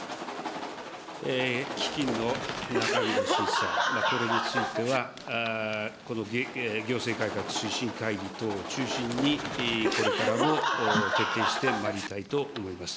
基金の中身の審査、これについてはこの行政改革推進会議等を中心に、これからも徹底してまいりたいと思います。